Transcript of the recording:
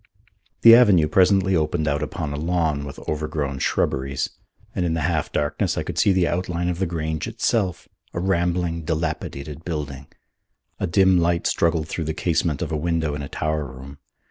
The avenue presently opened out upon a lawn with overgrown shrubberies, and in the half darkness I could see the outline of the Grange itself, a rambling, dilapidated building. A dim light struggled through the casement of a window in a tower room.